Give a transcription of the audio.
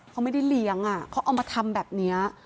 เขาไม่ได้เลี้ยงเขาเอามาทำแบบนี้